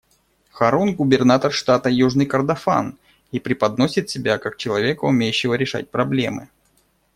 Харун — губернатор штата Южный Кордофан и преподносит себя как человека, умеющего решать проблемы.